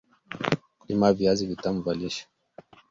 kulima viazi vitam vya lishe